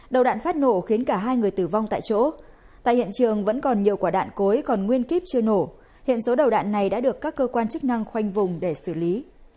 đầu đạn phát nổ khiến cả hai người tử vong tại chỗ tại hiện trường vẫn còn nhiều quả đạn cối còn nguyên kíp chưa nổ hiện số đầu đạn này đã được các cơ quan chức năng khoanh vùng để xử lý